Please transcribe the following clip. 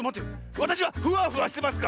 わたしはフワフワしてますか？